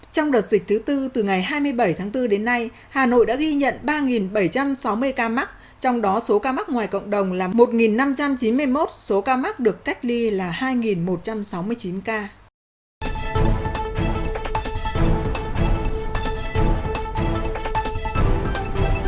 trong đợt dịch thứ tư từ ngày hai mươi bảy tháng bốn đến nay hà nội đã ghi nhận ba bảy trăm sáu mươi ca mắc trong đó số ca mắc ngoài cộng đồng là một năm trăm chín mươi một số ca mắc được cách ly là hai một trăm sáu mươi chín ca